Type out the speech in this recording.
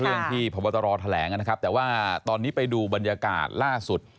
ที่พบตรแถลงนะครับแต่ว่าตอนนี้ไปดูบรรยากาศล่าสุด